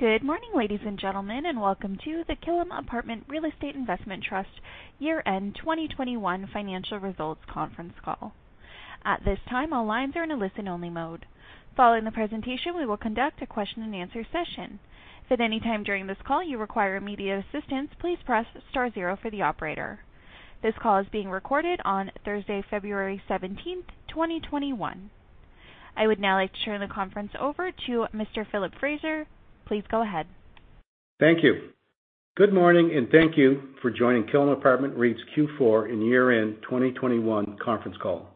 Good morning, ladies and gentlemen, and welcome to the Killam Apartment Real Estate Investment Trust Year-end 2021 Financial Results Conference Call. At this time, all lines are in a listen-only mode. Following the presentation, we will conduct a question-and-answer session. If at any time during this call you require immediate assistance, please press star zero for the operator. This call is being recorded on Thursday, February 17, 2021. I would now like to turn the conference over to Mr. Philip Fraser. Please go ahead. Thank you. Good morning, and thank you for joining Killam Apartment REIT's Q4 and year-end 2021 conference call.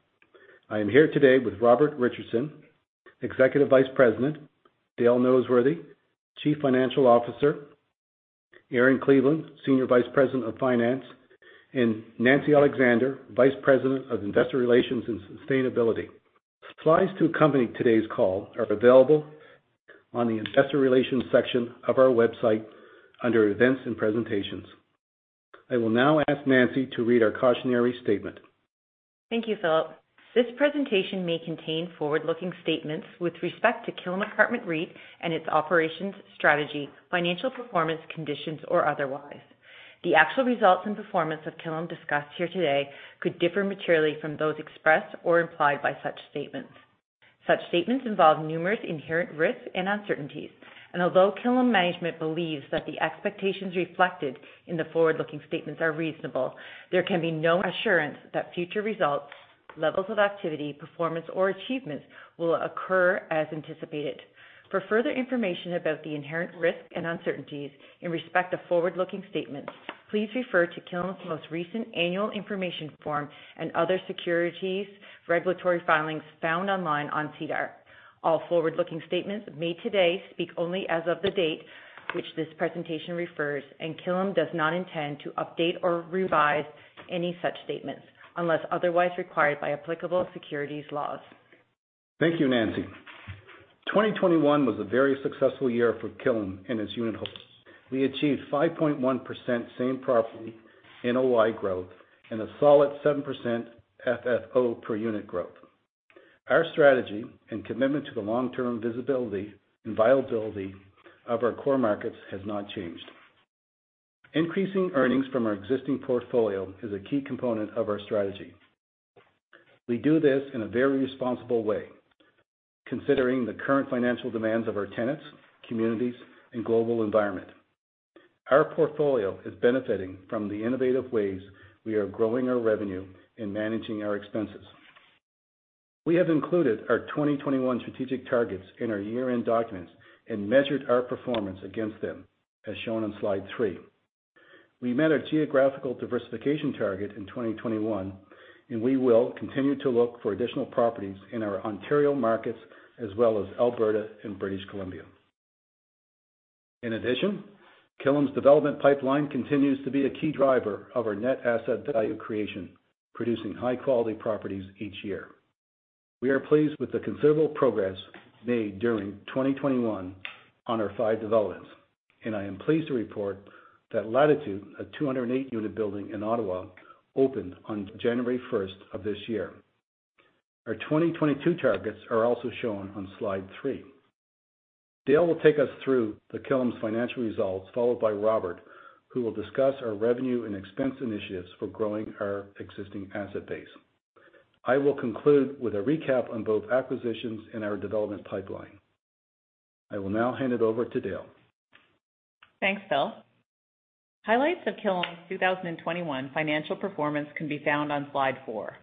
I am here today with Robert Richardson, Executive Vice President, Dale Noseworthy, Chief Financial Officer, Erin Cleveland, Senior Vice President of Finance, and Nancy Alexander, Vice President of Investor Relations and Sustainability. Slides to accompany today's call are available on the investor relations section of our website under events and presentations. I will now ask Nancy to read our cautionary statement. Thank you, Philip. This presentation may contain forward-looking statements with respect to Killam Apartment REIT and its operations, strategy, financial performance, conditions, or otherwise. The actual results and performance of Killam discussed here today could differ materially from those expressed or implied by such statements. Such statements involve numerous inherent risks and uncertainties. Although Killam management believes that the expectations reflected in the forward-looking statements are reasonable, there can be no assurance that future results, levels of activity, performance, or achievements will occur as anticipated. For further information about the inherent risk and uncertainties in respect to forward-looking statements, please refer to Killam's most recent annual information form and other securities regulatory filings found online on SEDAR. All forward-looking statements made today speak only as of the date which this presentation refers, and Killam does not intend to update or revise any such statements unless otherwise required by applicable securities laws. Thank you, Nancy. 2021 was a very successful year for Killam and its unitholders. We achieved 5.1% same property NOI growth and a solid 7% FFO per unit growth. Our strategy and commitment to the long-term visibility and viability of our core markets has not changed. Increasing earnings from our existing portfolio is a key component of our strategy. We do this in a very responsible way, considering the current financial demands of our tenants, communities, and global environment. Our portfolio is benefiting from the innovative ways we are growing our revenue and managing our expenses. We have included our 2021 strategic targets in our year-end documents and measured our performance against them, as shown on slide three. We met our geographical diversification target in 2021, and we will continue to look for additional properties in our Ontario markets, as well as Alberta and British Columbia. In addition, Killam’s development pipeline continues to be a key driver of our net asset value creation, producing high-quality properties each year. We are pleased with the considerable progress made during 2021 on our five developments, and I am pleased to report that Latitude, a 208-unit building in Ottawa, opened on January first of this year. Our 2022 targets are also shown on slide three. Dale will take us through Killam’s financial results, followed by Robert, who will discuss our revenue and expense initiatives for growing our existing asset base. I will conclude with a recap on both acquisitions and our development pipeline. I will now hand it over to Dale. Thanks, Phil. Highlights of Killam's 2021 financial performance can be found on slide four.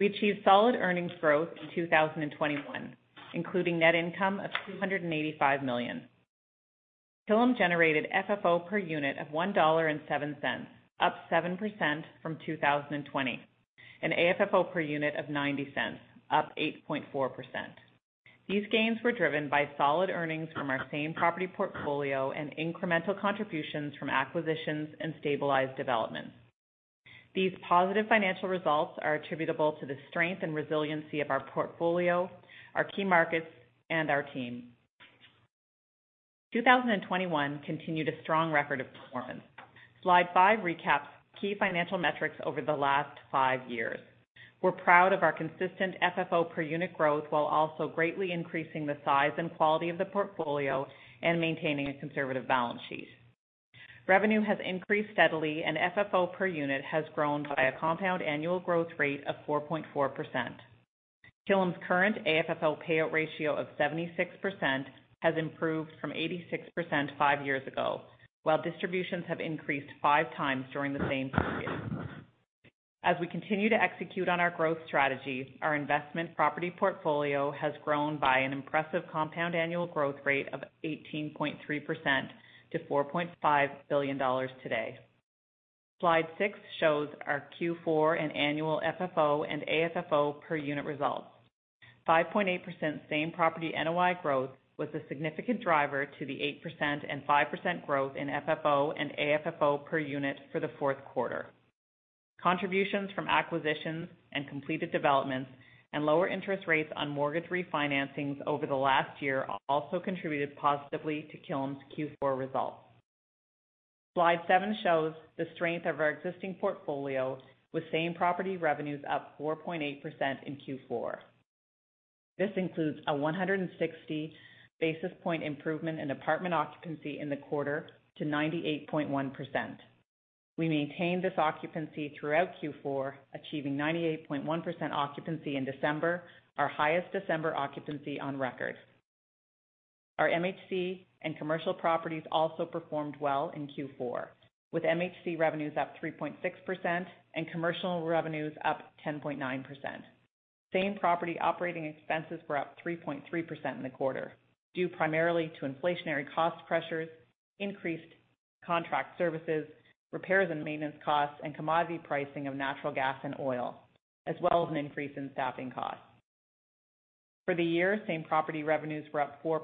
We achieved solid earnings growth in 2021, including net income of 285 million. Killam generated FFO per unit of 1.07 dollar, up 7% from 2020, and AFFO per unit of 0.90, up 8.4%. These gains were driven by solid earnings from our same property portfolio and incremental contributions from acquisitions and stabilized developments. These positive financial results are attributable to the strength and resiliency of our portfolio, our key markets, and our team. 2021 continued a strong record of performance. Slide five recaps key financial metrics over the last five years. We're proud of our consistent FFO per unit growth while also greatly increasing the size and quality of the portfolio and maintaining a conservative balance sheet. Revenue has increased steadily, and FFO per unit has grown by a compound annual growth rate of 4.4%. Killam's current AFFO payout ratio of 76% has improved from 86% five years ago, while distributions have increased 5x during the same period. As we continue to execute on our growth strategy, our investment property portfolio has grown by an impressive compound annual growth rate of 18.3% to 4.5 billion dollars today. Slide six shows our Q4 and annual FFO and AFFO per unit results. 5.8% same property NOI growth was a significant driver to the 8% and 5% growth in FFO and AFFO per unit for the Q4. Contributions from acquisitions and completed developments and lower interest rates on mortgage refinancings over the last year also contributed positively to Killam's Q4 results. Slide seven shows the strength of our existing portfolio with same property revenues up 4.8% in Q4. This includes a 160 basis point improvement in apartment occupancy in the quarter to 98.1%. We maintained this occupancy throughout Q4, achieving 98.1% occupancy in December, our highest December occupancy on record. Our MHC and commercial properties also performed well in Q4, with MHC revenues up 3.6% and commercial revenues up 10.9%. Same property operating expenses were up 3.3% in the quarter, due primarily to inflationary cost pressures, increased contract services, repairs and maintenance costs, and commodity pricing of natural gas and oil, as well as an increase in staffing costs. For the year, same property revenues were up 4%.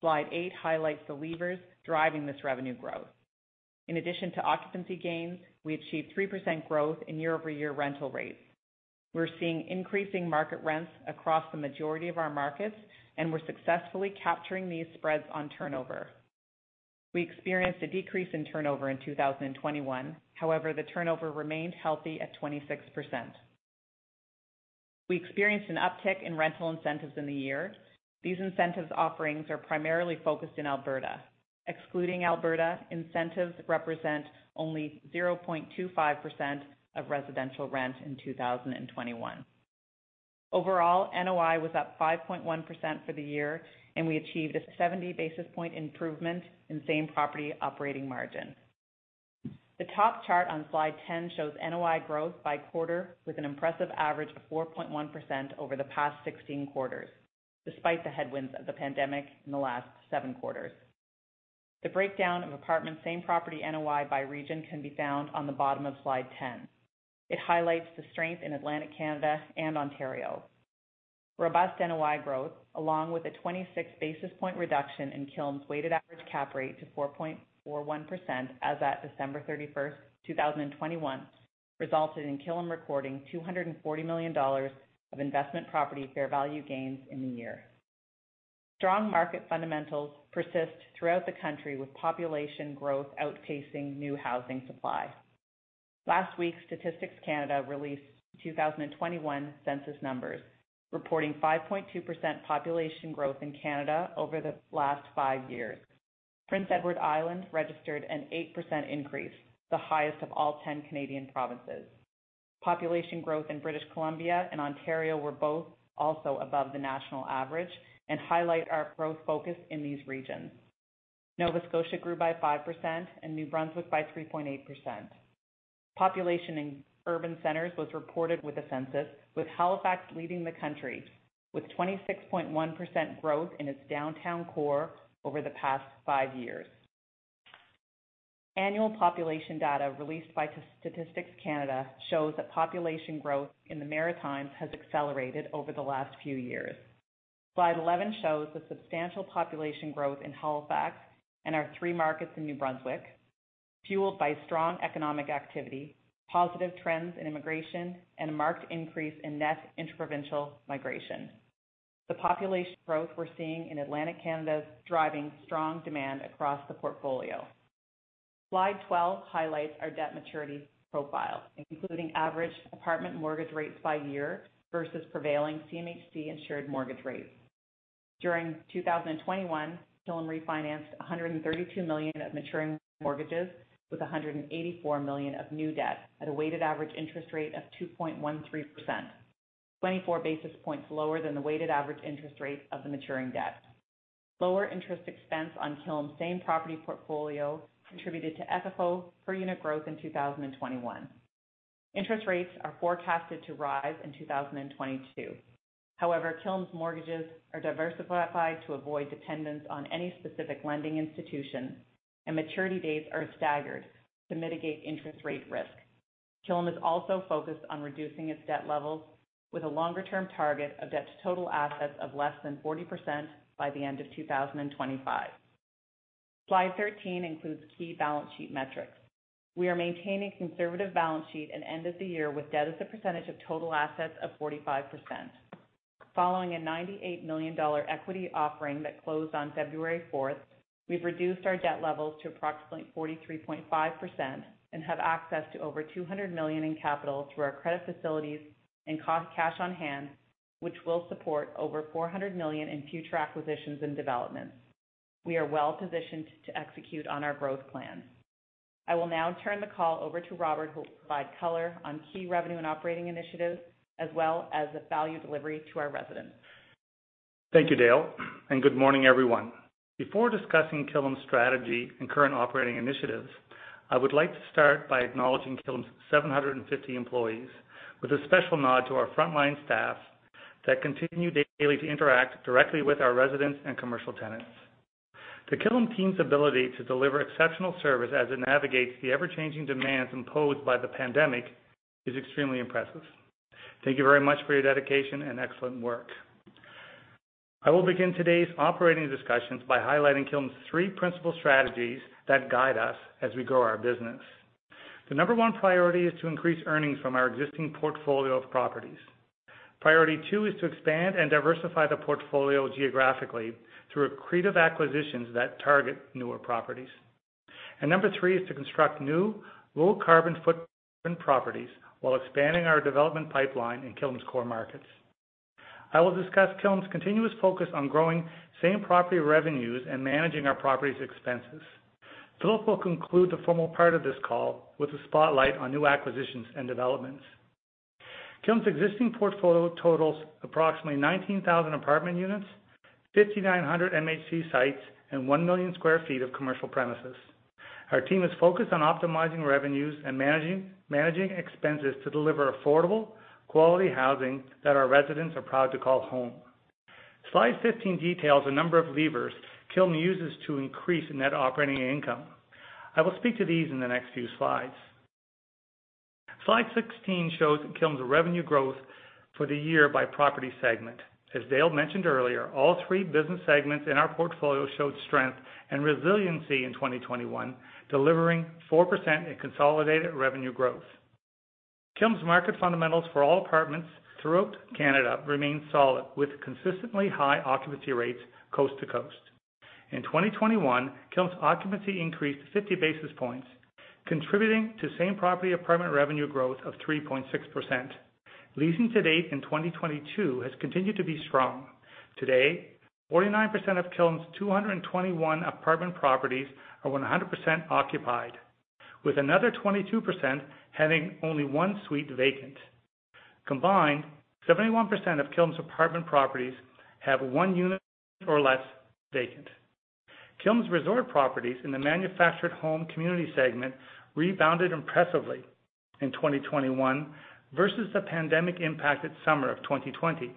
Slide eight highlights the levers driving this revenue growth. In addition to occupancy gains, we achieved 3% growth in year-over-year rental rates. We're seeing increasing market rents across the majority of our markets, and we're successfully capturing these spreads on turnover. We experienced a decrease in turnover in 2021. However, the turnover remained healthy at 26%. We experienced an uptick in rental incentives in the year. These incentives offerings are primarily focused in Alberta. Excluding Alberta, incentives represent only 0.25% of residential rent in 2021. Overall, NOI was up 5.1% for the year, and we achieved a 70 basis point improvement in same property operating margin. The top chart on slide 10 shows NOI growth by quarter with an impressive average of 4.1% over the past 16 quarters, despite the headwinds of the pandemic in the last seven quarters. The breakdown of apartment same property NOI by region can be found on the bottom of slide 10. It highlights the strength in Atlantic Canada and Ontario. Robust NOI growth, along with a 26 basis point reduction in Killam's weighted average cap rate to 4.41% as at December 31, 2021, resulted in Killam recording 240 million dollars of investment property fair value gains in the year. Strong market fundamentals persist throughout the country with population growth outpacing new housing supply. Last week, Statistics Canada released 2021 census numbers, reporting 5.2% population growth in Canada over the last five years. Prince Edward Island registered an 8% increase, the highest of all 10 Canadian provinces. Population growth in British Columbia and Ontario were both also above the national average and highlight our growth focus in these regions. Nova Scotia grew by 5% and New Brunswick by 3.8%. Population in urban centers was reported with the census, with Halifax leading the country with 26.1% growth in its downtown core over the past five years. Annual population data released by Statistics Canada shows that population growth in the Maritimes has accelerated over the last few years. Slide 11 shows the substantial population growth in Halifax and our three markets in New Brunswick, fueled by strong economic activity, positive trends in immigration, and a marked increase in net inter-provincial migration. The population growth we're seeing in Atlantic Canada is driving strong demand across the portfolio. Slide 12 highlights our debt maturity profile, including average apartment mortgage rates by year versus prevailing CMHC insured mortgage rates. During 2021, Killam refinanced 132 million of maturing mortgages with 184 million of new debt at a weighted average interest rate of 2.13%, 24 basis points lower than the weighted average interest rate of the maturing debt. Lower interest expense on Killam's same property portfolio contributed to FFO per unit growth in 2021. Interest rates are forecasted to rise in 2022. However, Killam's mortgages are diversified to avoid dependence on any specific lending institution, and maturity dates are staggered to mitigate interest rate risk. Killam is also focused on reducing its debt levels with a longer-term target of debt to total assets of less than 40% by the end of 2025. Slide 13 includes key balance sheet metrics. We are maintaining conservative balance sheet at end of the year, with debt as a percentage of total assets of 45%. Following a 98 million dollar equity offering that closed on February fourth, we've reduced our debt levels to approximately 43.5% and have access to over 200 million in capital through our credit facilities and cash on hand, which will support over 400 million in future acquisitions and developments. We are well-positioned to execute on our growth plans. I will now turn the call over to Robert, who will provide color on key revenue and operating initiatives as well as the value delivery to our residents. Thank you, Dale, and good morning, everyone. Before discussing Killam's strategy and current operating initiatives, I would like to start by acknowledging Killam's 750 employees with a special nod to our frontline staff that continue daily to interact directly with our residents and commercial tenants. The Killam team's ability to deliver exceptional service as it navigates the ever-changing demands imposed by the pandemic is extremely impressive. Thank you very much for your dedication and excellent work. I will begin today's operating discussions by highlighting Killam's three principal strategies that guide us as we grow our business. The Number one priority is to increase earnings from our existing portfolio of properties. Priority two is to expand and diversify the portfolio geographically through accretive acquisitions that target newer properties. Number three is to construct new low carbon footprint properties while expanding our development pipeline in Killam's core markets. I will discuss Killam's continuous focus on growing same property revenues and managing our property expenses. Philip will conclude the formal part of this call with a spotlight on new acquisitions and developments. Killam's existing portfolio totals approximately 19,000 apartment units, 5,900 MHC sites, and 1 million sq ft of commercial premises. Our team is focused on optimizing revenues and managing expenses to deliver affordable, quality housing that our residents are proud to call home. Slide 15 details a number of levers Killam uses to increase net operating income. I will speak to these in the next few slides. Slide 16 shows Killam's revenue growth for the year by property segment. As Dale mentioned earlier, all three business segments in our portfolio showed strength and resiliency in 2021, delivering 4% in consolidated revenue growth. Killam's market fundamentals for all apartments throughout Canada remain solid with consistently high occupancy rates coast to coast. In 2021, Killam's occupancy increased 50 basis points, contributing to same property apartment revenue growth of 3.6%. Leasing to date in 2022 has continued to be strong. To date, 49% of Killam's 221 apartment properties are 100% occupied, with another 22% having only one suite vacant. Combined, 71% of Killam's apartment properties have one unit or less vacant. Killam's resort properties in the manufactured home community segment rebounded impressively in 2021 versus the pandemic impacted summer of 2020.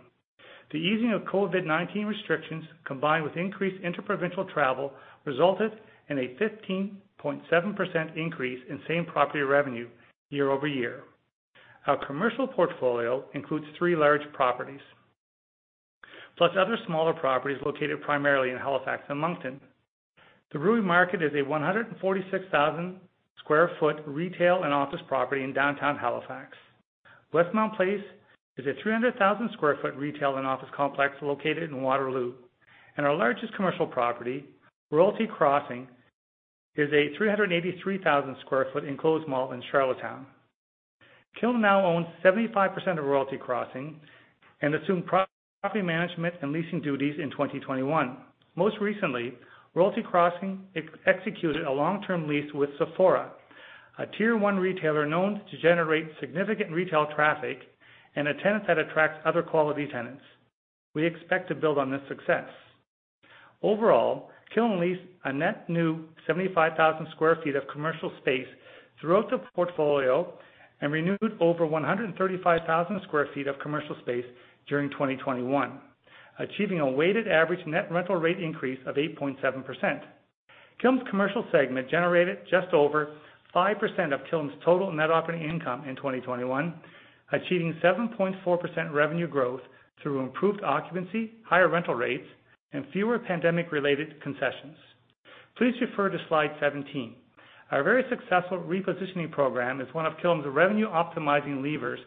The easing of COVID-19 restrictions, combined with increased inter-provincial travel, resulted in a 15.7% increase in same property revenue year-over-year. Our commercial portfolio includes three large properties, plus other smaller properties located primarily in Halifax and Moncton. The Brewery Market is a 146,000 sq ft retail and office property in downtown Halifax. Westmount Place is a 300,000 sq ft retail and office complex located in Waterloo. Our largest commercial property, Royalty Crossing, is a 383,000 sq ft enclosed mall in Charlottetown. Killam now owns 75% of Royalty Crossing and assumed property management and leasing duties in 2021. Most recently, Royalty Crossing executed a long-term lease with Sephora, a tier one retailer known to generate significant retail traffic and a tenant that attracts other quality tenants. We expect to build on this success. Overall, Killam leased a net new 75,000 sq ft of commercial space throughout the portfolio and renewed over 135,000 sq ft of commercial space during 2021, achieving a weighted average net rental rate increase of 8.7%. Killam's commercial segment generated just over 5% of Killam's total net operating income in 2021, achieving 7.4% revenue growth through improved occupancy, higher rental rates, and fewer pandemic-related concessions. Please refer to slide 17. Our very successful repositioning program is one of Killam's revenue optimizing levers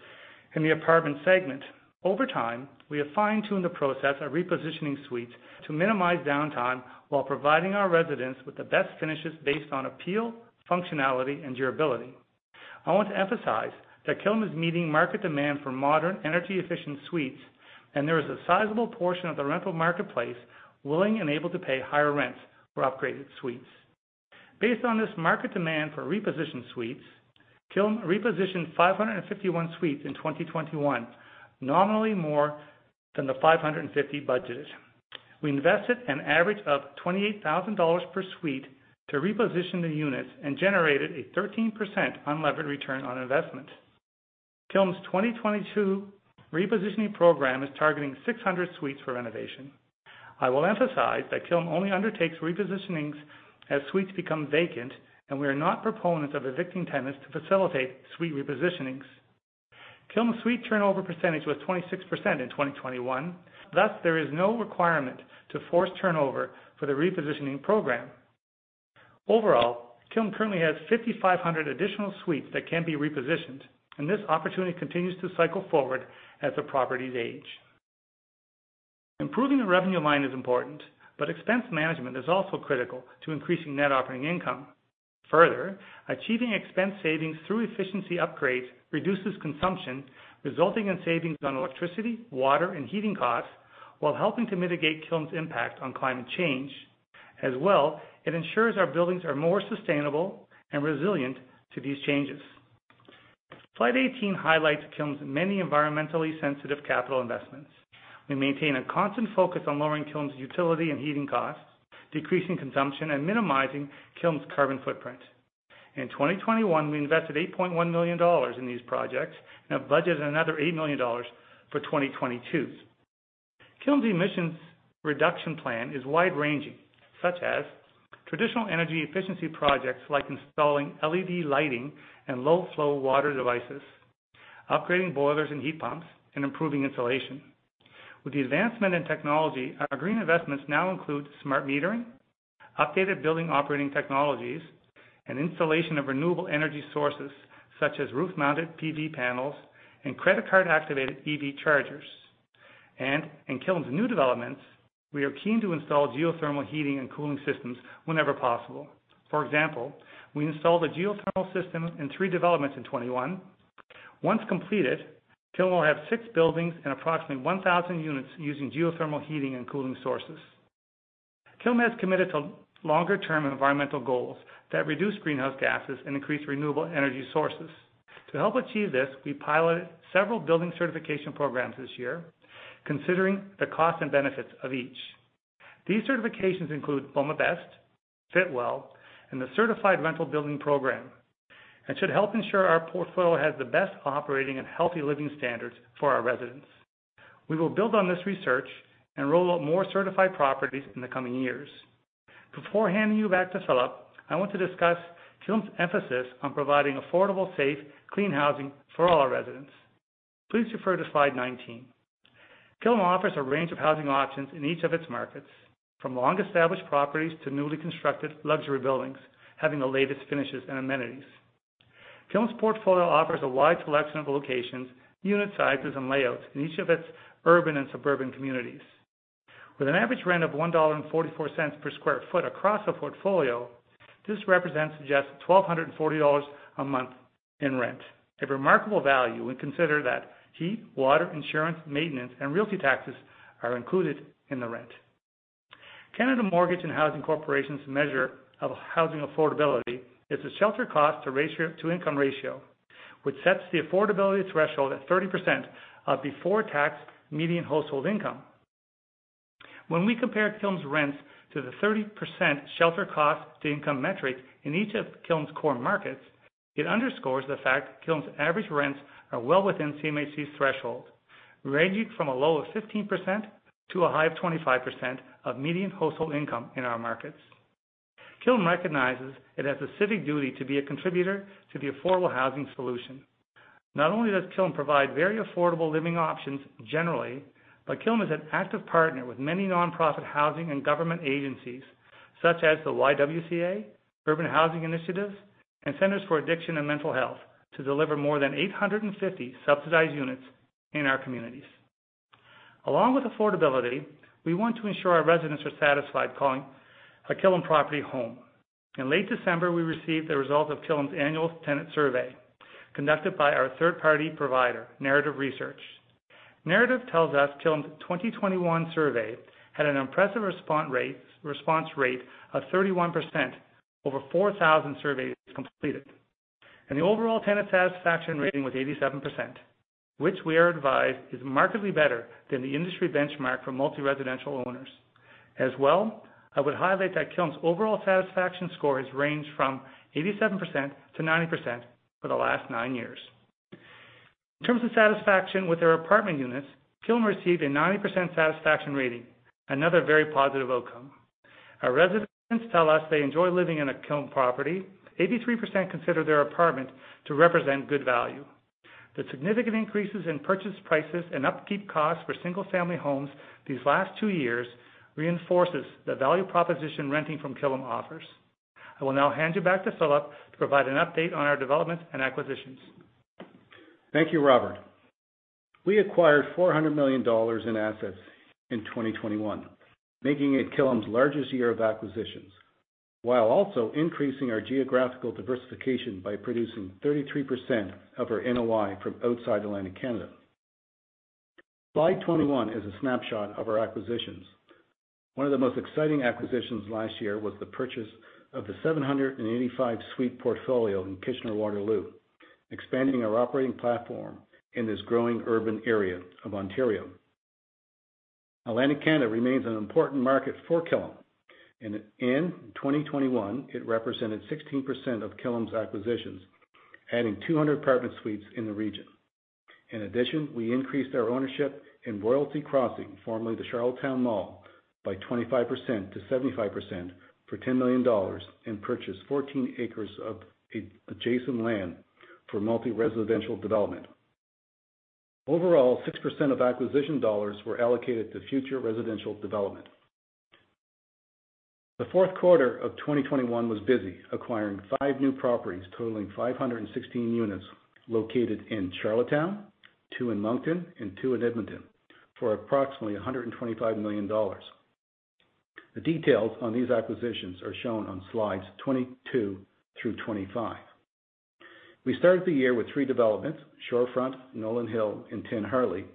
in the apartment segment. Over time, we have fine-tuned the process of repositioning suites to minimize downtime while providing our residents with the best finishes based on appeal, functionality, and durability. I want to emphasize that Killam is meeting market demand for modern, energy-efficient suites, and there is a sizable portion of the rental marketplace willing and able to pay higher rents for upgraded suites. Based on this market demand for repositioned suites, Killam repositioned 551 suites in 2021, nominally more than the 550 budgeted. We invested an average of 28,000 dollars per suite to reposition the units and generated a 13% unlevered return on investment. Killam's 2022 repositioning program is targeting 600 suites for renovation. I will emphasize that Killam only undertakes repositionings as suites become vacant, and we are not proponents of evicting tenants to facilitate suite repositionings. Killam's suite turnover percentage was 26% in 2021, thus, there is no requirement to force turnover for the repositioning program. Overall, Killam currently has 5,500 additional suites that can be repositioned, and this opportunity continues to cycle forward as the properties age. Improving the revenue line is important, but expense management is also critical to increasing net operating income. Further, achieving expense savings through efficiency upgrades reduces consumption, resulting in savings on electricity, water, and heating costs while helping to mitigate Killam's impact on climate change. As well, it ensures our buildings are more sustainable and resilient to these changes. Slide 18 highlights Killam's many environmentally sensitive capital investments. We maintain a constant focus on lowering Killam's utility and heating costs, decreasing consumption, and minimizing Killam's carbon footprint. In 2021, we invested 8.1 million dollars in these projects and have budgeted another 8 million dollars for 2022. Killam's emissions reduction plan is wide-ranging, such as traditional energy efficiency projects like installing LED lighting and low-flow water devices, upgrading boilers and heat pumps, and improving insulation. With the advancement in technology, our green investments now include smart metering, updated building operating technologies, and installation of renewable energy sources such as roof-mounted PV panels and credit card activated EV chargers. In Killam's new developments, we are keen to install geothermal heating and cooling systems whenever possible. For example, we installed a geothermal system in three developments in 2021. Once completed, Killam will have six buildings and approximately 1,000 units using geothermal heating and cooling sources. Killam has committed to longer-term environmental goals that reduce greenhouse gases and increase renewable energy sources. To help achieve this, we piloted several building certification programs this year, considering the cost and benefits of each. These certifications include BOMA BEST, Fitwel, and the Certified Rental Building program, and should help ensure our portfolio has the best operating and healthy living standards for our residents. We will build on this research and roll out more certified properties in the coming years. Before handing you back to Philip, I want to discuss Killam's emphasis on providing affordable, safe, clean housing for all our residents. Please refer to slide 19. Killam offers a range of housing options in each of its markets, from long-established properties to newly constructed luxury buildings having the latest finishes and amenities. Killam's portfolio offers a wide selection of locations, unit sizes, and layouts in each of its urban and suburban communities. With an average rent of 1.44 dollar per sq ft across our portfolio, this represents just 1,240 dollars a month in rent. A remarkable value when you consider that heat, water, insurance, maintenance, and realty taxes are included in the rent. Canada Mortgage and Housing Corporation's measure of housing affordability is the shelter cost to income ratio, which sets the affordability threshold at 30% of before tax median household income. When we compared Killam's rents to the 30% shelter cost to income metric in each of Killam's core markets, it underscores the fact Killam's average rents are well within CMHC's threshold, ranging from a low of 15% to a high of 25% of median household income in our markets. Killam recognizes it has a civic duty to be a contributor to the affordable housing solution. Not only does Killam provide very affordable living options generally, but Killam is an active partner with many nonprofit housing and government agencies such as the YWCA, Urban Housing Initiatives, and Centre for Addiction and Mental Health to deliver more than 850 subsidized units in our communities. Along with affordability, we want to ensure our residents are satisfied calling a Killam property home. In late December, we received the result of Killam's annual tenant survey conducted by our third-party provider, Narrative Research. Narrative tells us Killam's 2021 survey had an impressive response rate of 31%, over 4,000 surveys completed. The overall tenant satisfaction rating was 87%, which we are advised is markedly better than the industry benchmark for multi-residential owners. As well, I would highlight that Killam's overall satisfaction score has ranged from 87% to 90% for the last nine years. In terms of satisfaction with their apartment units, Killam received a 90% satisfaction rating, another very positive outcome. Our residents tell us they enjoy living in a Killam property. 83% consider their apartment to represent good value. The significant increases in purchase prices and upkeep costs for single-family homes these last two years reinforces the value proposition renting from Killam offers. I will now hand you back to Philip to provide an update on our development and acquisitions. Thank you, Robert. We acquired 400 million dollars in assets in 2021, making it Killam's largest year of acquisitions, while also increasing our geographical diversification by producing 33% of our NOI from outside Atlantic Canada. Slide 21 is a snapshot of our acquisitions. One of the most exciting acquisitions last year was the purchase of the 785 suite portfolio in Kitchener-Waterloo, expanding our operating platform in this growing urban area of Ontario. Atlantic Canada remains an important market for Killam, and in 2021, it represented 16% of Killam's acquisitions, adding 200 apartment suites in the region. In addition, we increased our ownership in Royalty Crossing, formerly the Charlottetown Mall, by 25% to 75% for 10 million dollars and purchased 14 acres of adjacent land for multi-residential development. Overall, 6% of acquisition dollars were allocated to future residential development. The Q4 of 2021 was busy, acquiring five new properties totaling 516 units located in Charlottetown, two in Moncton, and two in Edmonton, for approximately 125 million dollars. The details on these acquisitions are shown on slides 22 through 25. We started the year with three developments, Shorefront, Nolan Hill, and 10 Harley,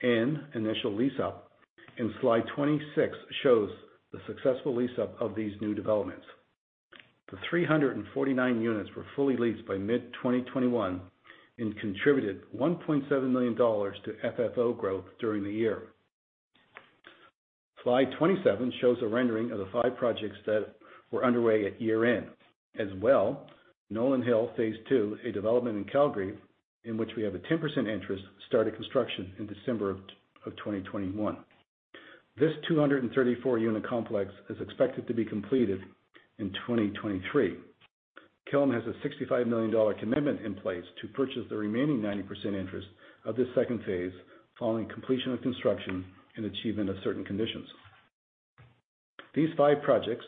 in initial lease up, and slide 26 shows the successful lease up of these new developments. The 349 units were fully leased by mid-2021 and contributed 1.7 million dollars to FFO growth during the year. Slide 27 shows a rendering of the five projects that were underway at year-end. As well, Nolan Hill phase II, a development in Calgary in which we have a 10% interest, started construction in December of 2021. This 234-unit complex is expected to be completed in 2023. Killam has a 65 million dollar commitment in place to purchase the remaining 90% interest of this second phase following completion of construction and achievement of certain conditions. These five projects,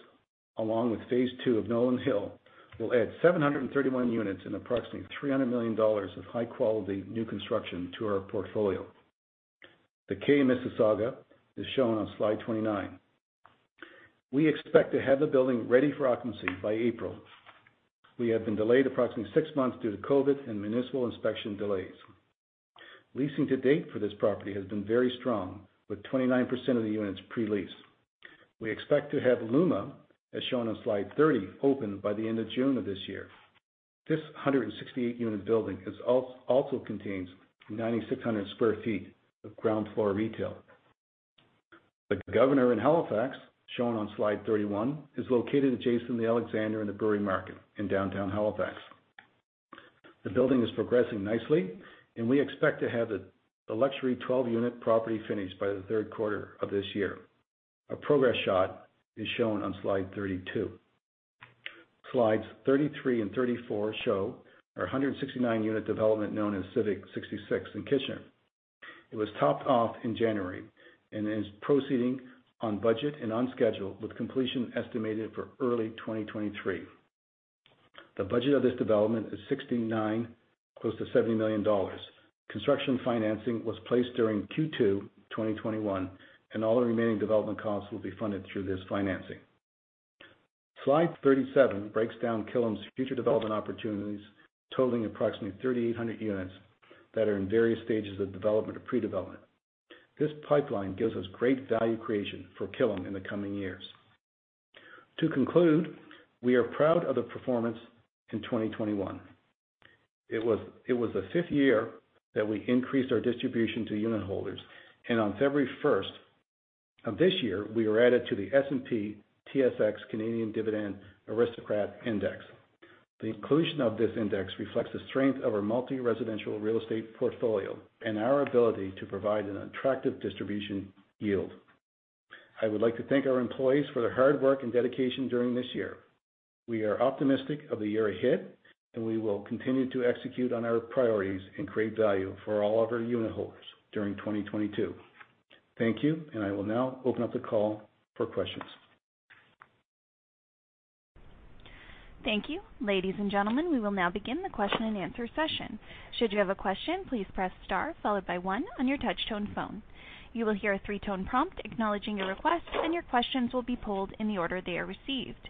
along with phase II of Nolan Hill, will add 731 units and approximately 300 million dollars of high quality new construction to our portfolio. The K Mississauga is shown on slide 29. We expect to have the building ready for occupancy by April. We have been delayed approximately six months due to COVID and municipal inspection delays. Leasing to date for this property has been very strong, with 29% of the units pre-leased. We expect to have Luma, as shown on slide 30, open by the end of June of this year. This 168-unit building also contains 9,600 sq ft of ground floor retail. The Governor in Halifax, shown on slide 31, is located adjacent to The Alexander and the Brewery Market in downtown Halifax. The building is progressing nicely, and we expect to have the luxury 12-unit property finished by the third quarter of this year. A progress shot is shown on slide 32. Slides 33 and 34 show our 169-unit development known as Civic 66 in Kitchener. It was topped off in January and is proceeding on budget and on schedule, with completion estimated for early 2023. The budget of this development is 69 million, close to 70 million dollars. Construction financing was placed during Q2 2021, and all the remaining development costs will be funded through this financing. Slide 37 breaks down Killam's future development opportunities, totaling approximately 3,800 units that are in various stages of development or pre-development. This pipeline gives us great value creation for Killam in the coming years. To conclude, we are proud of the performance in 2021. It was the fifth year that we increased our distribution to unitholders, and on February 1 of this year, we were added to the S&P/TSX Canadian Dividend Aristocrats Index. The inclusion in this index reflects the strength of our multi-residential real estate portfolio and our ability to provide an attractive distribution yield. I would like to thank our employees for their hard work and dedication during this year. We are optimistic of the year ahead, and we will continue to execute on our priorities and create value for all of our unitholders during 2022. Thank you, and I will now open up the call for questions. Thank you. Ladies and gentlemen, we will now begin the question-and-answer session. Should you have a question, please press star followed by one on your touchtone phone. You will hear a three-tone prompt acknowledging your request, and your questions will be pooled in the order they are received.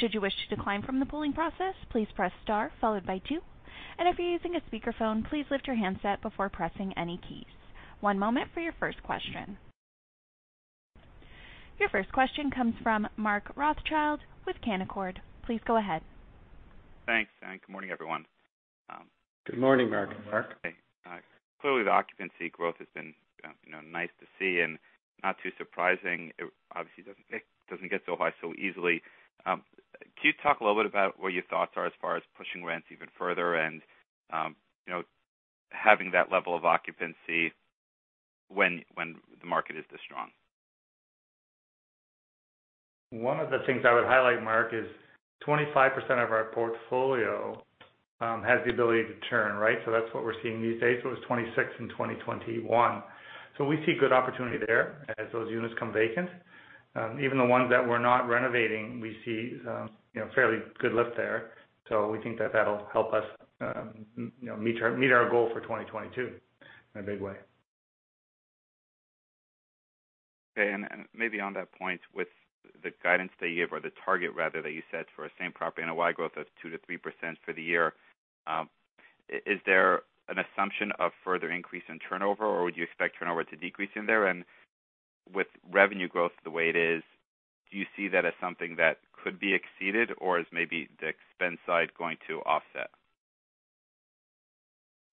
Should you wish to decline from the pooling process, please press star followed by two. If you're using a speakerphone, please lift your handset before pressing any keys. One moment for your first question. Your first question comes from Mark Rothschild with Canaccord. Please go ahead. Thanks. Good morning, everyone. Good morning, Mark. Clearly, the occupancy growth has been, you know, nice to see and not too surprising. It obviously doesn't get so high so easily. Can you talk a little bit about what your thoughts are as far as pushing rents even further and, you know, having that level of occupancy when the market is this strong? One of the things I would highlight, Mark, is 25% of our portfolio has the ability to turn, right? That's what we're seeing these days. It was 26% in 2021. We see good opportunity there as those units come vacant. Even the ones that we're not renovating, we see you know, fairly good lift there. We think that that'll help us you know, meet our goal for 2022 in a big way. Okay. Maybe on that point, with the guidance that you gave or the target rather that you set for same-property NOI growth of 2%-3% for the year, is there an assumption of further increase in turnover, or would you expect turnover to decrease in there? With revenue growth the way it is, do you see that as something that could be exceeded or is maybe the expense side going to offset?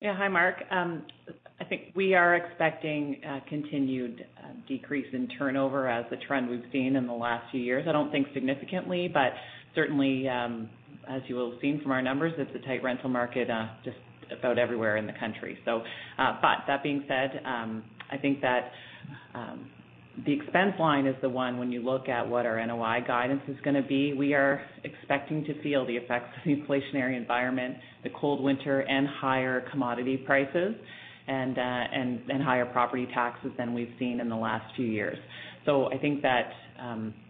Yeah. Hi, Mark. I think we are expecting a continued decrease in turnover as the trend we've seen in the last few years. I don't think significantly, but certainly as you will have seen from our numbers, it's a tight rental market just about everywhere in the country. But that being said, I think that the expense line is the one when you look at what our NOI guidance is gonna be. We are expecting to feel the effects of the inflationary environment, the cold winter and higher commodity prices and higher property taxes than we've seen in the last few years. I think that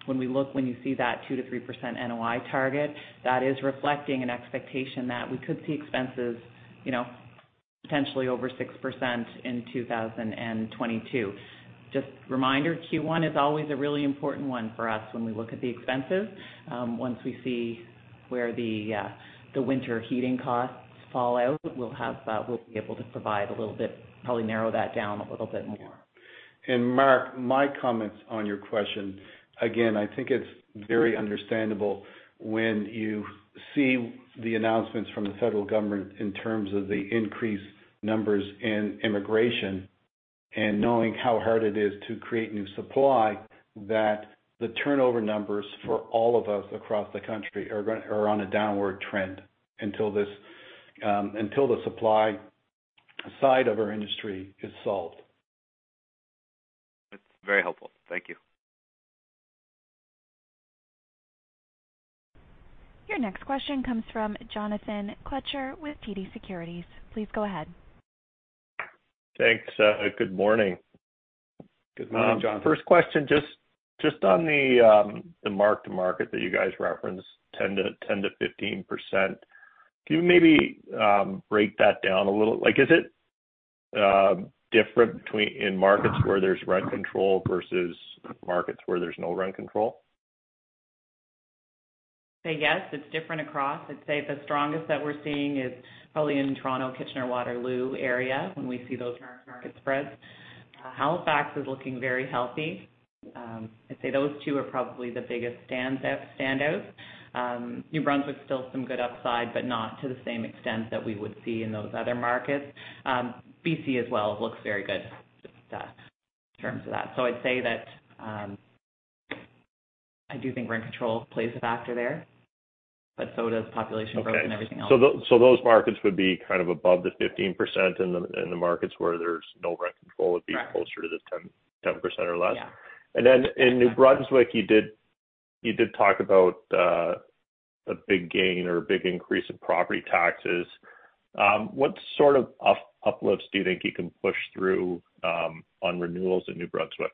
when you see that 2%-3% NOI target, that is reflecting an expectation that we could see expenses, you know, potentially over 6% in 2022. Just a reminder, Q1 is always a really important one for us when we look at the expenses. Once we see where the winter heating costs fall out, we'll be able to provide a little bit, probably narrow that down a little bit more. Mark, my comments on your question, again, I think it's very understandable when you see the announcements from the federal government in terms of the increased numbers in immigration and knowing how hard it is to create new supply, that the turnover numbers for all of us across the country are on a downward trend until the supply side of our industry is solved. That's very helpful. Thank you. Your next question comes from Jonathan Kelcher with TD Securities. Please go ahead. Thanks. Good morning. Good morning, Jonathan. First question, just on the mark-to-market that you guys referenced, 10%-15%. Can you maybe break that down a little? Like, is it different between in markets where there's rent control versus markets where there's no rent control? I'd say yes, it's different across. I'd say the strongest that we're seeing is probably in Toronto, Kitchener-Waterloo area when we see those mark-to-market spreads. Halifax is looking very healthy. I'd say those two are probably the biggest standouts. New Brunswick still some good upside, but not to the same extent that we would see in those other markets. BC as well looks very good just, in terms of that. I'd say that, I do think rent control plays a factor there, but so does population growth and everything else. Those markets would be kind of above the 15%, and the markets where there's no rent control. Right. would be closer to the 10% or less. Yeah. In New Brunswick, you did talk about a big gain or a big increase in property taxes. What sort of uplifts do you think you can push through on renewals in New Brunswick?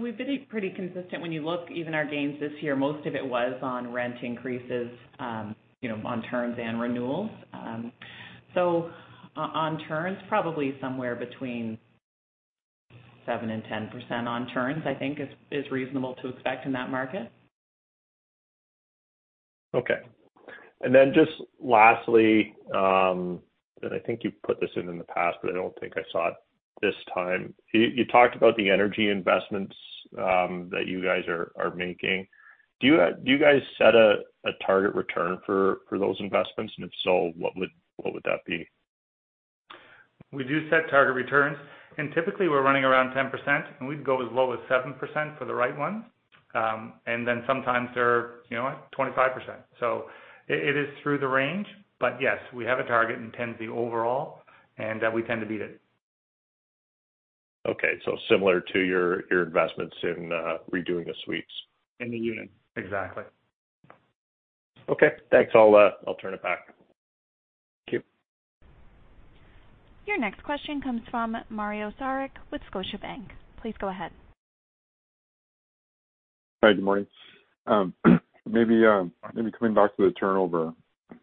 We've been pretty consistent when you look even our gains this year, most of it was on rent increases, you know, on terms and renewals. On terms, probably somewhere between 7% and 10% on turns, I think is reasonable to expect in that market. Okay. Just lastly, I think you've put this in the past, but I don't think I saw it this time. You talked about the energy investments that you guys are making. Do you guys set a target return for those investments? If so, what would that be? We do set target returns, and typically we're running around 10%, and we'd go as low as 7% for the right one. Sometimes they're, you know, at 25%. It is through the range. Yes, we have a target, and 10's the overall, and we tend to beat it. Okay. Similar to your investments in redoing the suites. In the units. Exactly. Okay. Thanks. I'll turn it back. Thank you. Your next question comes from Mario Saric with Scotiabank. Please go ahead. Hi, good morning. Maybe coming back to the turnover,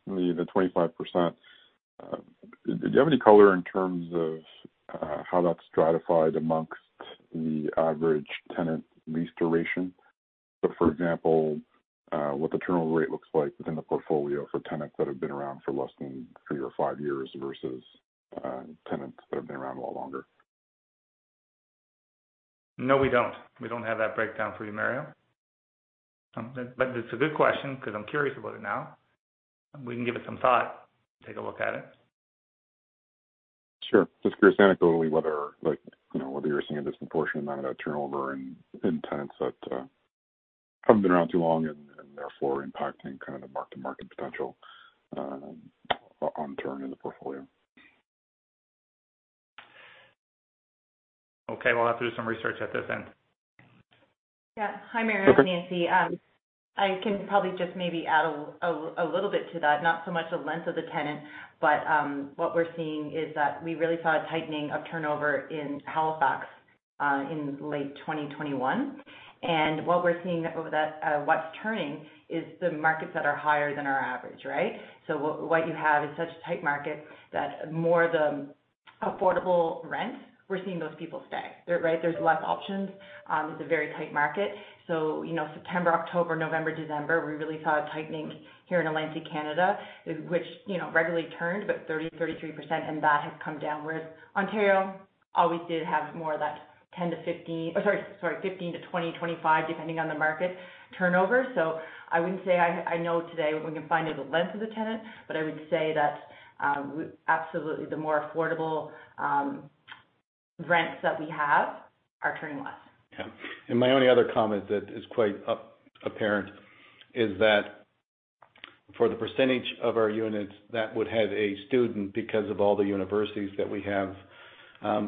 the 25%. Do you have any color in terms of how that's stratified among the average tenant lease duration? For example, what the turnover rate looks like within the portfolio for tenants that have been around for less than three or five years versus tenants that have been around a lot longer. No, we don't. We don't have that breakdown for you, Mario. It's a good question because I'm curious about it now. We can give it some thought, take a look at it. Sure. Just curious anecdotally whether, like, you know, whether you're seeing a disproportionate amount of turnover in tenants that haven't been around too long and therefore impacting kind of the mark-to-market potential on turnover in the portfolio. Okay. We'll have to do some research at this end. Yeah. Hi, Mario and Nancy. Okay. I can probably just maybe add a little bit to that, not so much the length of the tenant, but what we're seeing is that we really saw a tightening of turnover in Halifax in late 2021. What we're seeing over that, what's turning is the markets that are higher than our average, right? What you have is such a tight market that more the affordable rent, we're seeing those people stay. Right? There's less options. It's a very tight market. You know, September, October, November, December, we really saw a tightening here in Atlantic Canada, which, you know, regularly turned, but 30%-33%, and that has come down. Whereas Ontario always did have more of that 10-15 or sorry, 15-20, 25, depending on the market turnover. I wouldn't say I know today we can find the length of the tenancy, but I would say that absolutely the more affordable rents that we have are turning less. Yeah. My only other comment that is quite apparent is that for the percentage of our units that would have a student because of all the universities that we have